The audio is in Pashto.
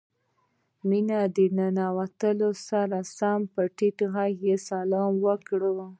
مينې له ننوتو سره سم په ټيټ غږ سلام وکړ.